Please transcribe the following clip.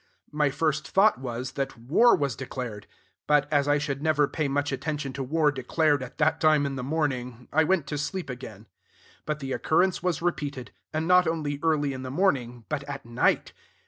My first thought was, that war was declared; but, as I should never pay much attention to war declared at that time in the morning, I went to sleep again. But the occurrence was repeated, and not only early in the morning, but at night.